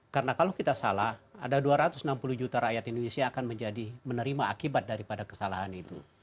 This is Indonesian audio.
karena kalau kita salah ada dua ratus enam puluh juta rakyat indonesia akan menjadi menerima akibat daripada kesalahan itu